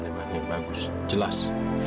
yang bagus jelas